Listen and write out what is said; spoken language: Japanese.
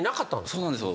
そうなんですよ。